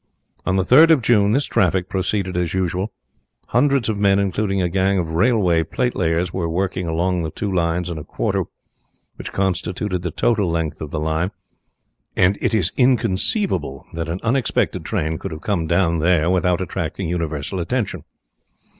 On the 3rd of June this traffic proceeded as usual; hundreds of men including a gang of railway platelayers were working along the two miles and a quarter which constitute the total length of the line, and it is inconceivable that an unexpected train could have come down there without attracting universal attention.